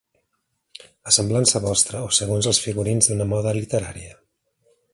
A semblança vostra, o segons els figurins d'una moda literària.